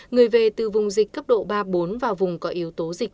người về từ vùng dịch cấp độ ba bốn vào vùng có yếu tố dịch